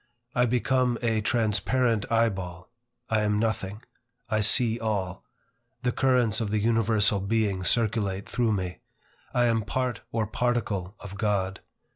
I become a transparent eye ball; I am nothing; I see all; the currents of the Universal Being circulate through me; I am part or particle of God.